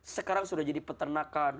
sekarang sudah jadi peternakan